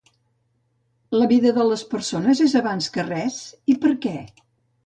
La vida de les persones és abans que res i per què?